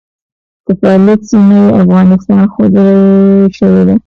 د فعالیت سیمه یې افغانستان ښودل شوې ده.